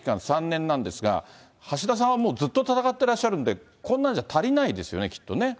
３年なんですが、橋田さんはもうずっと戦ってらっしゃるんで、こんなんじゃ足りないです